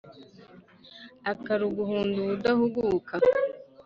akaruguhunda ubudahuguka